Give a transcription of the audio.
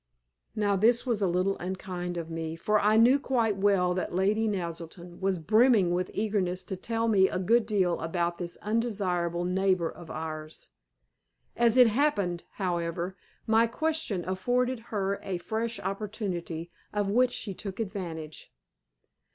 Now this was a little unkind of me, for I knew quite well that Lady Naselton was brimming with eagerness to tell me a good deal about this undesirable neighbor of ours. As it happened, however, my question afforded her a fresh opportunity, of which she took advantage.